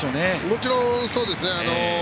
もちろん、そうですね。